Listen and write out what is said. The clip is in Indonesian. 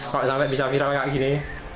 kok sampai bisa viral kayak gini